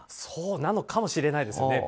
そうなのかもしれないですね。